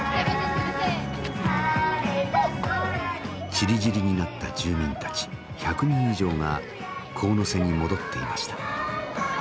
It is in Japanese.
散り散りになった住民たち１００人以上が神瀬に戻っていました。